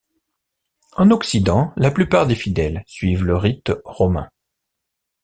En Occident, la plupart des fidèles suivent le rite romain.